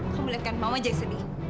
kamu lihat kan mama jadi sedih